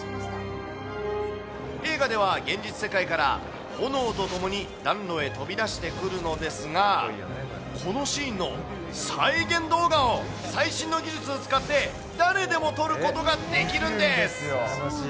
映画では、現実世界から炎と共に暖炉へ飛び出してくるんですが、このシーンの再現動画を、最新の技術を使って、誰でも撮ることができるんです。